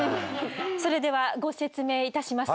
それではご説明いたします。